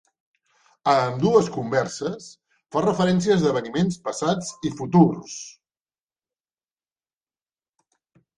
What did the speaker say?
A ambdues converses, fa referència a esdeveniments passats i futurs.